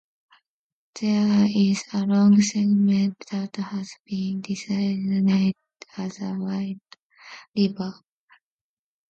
There is a long segment that has been designated as a wild river.